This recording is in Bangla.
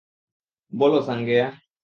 বলো, সাঙ্গেয়া।